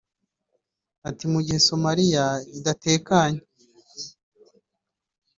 Ati “Mu gihe Somalia idatekanye